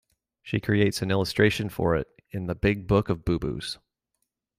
She creates an illustration for it in the Big Book of Boo Boos.